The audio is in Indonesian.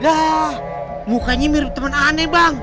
lah mukanya mirip temen aneh bang